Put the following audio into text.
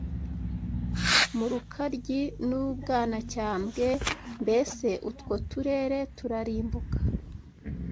mu Rukaryi n’u Bwanacyambwe mbese utwo turere turarimbuka